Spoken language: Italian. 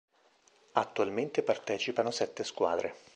Attualmente partecipano sette squadre.